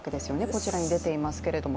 こちらに出ていますけれども。